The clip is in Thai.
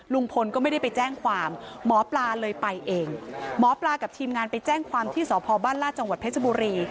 ลุงพลก็ไม่ได้ไปแจ้งความหมอปลาเลยไปเองหมอปลากับทีมงานไปแจ้งความที่สพบ้านลาดจังหวัดเพชรบุรี